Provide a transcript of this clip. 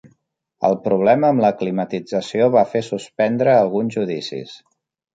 El problema amb la climatització va fer suspendre alguns judicis